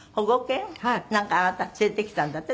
なんかあなた連れてきたんだって？